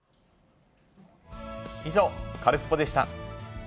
以上、カルスポっ！でした。